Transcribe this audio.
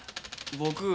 僕。